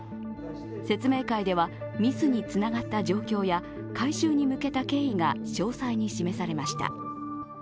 説明会ではミスにつながった状況や、回収に向けた経緯が詳細に示されました。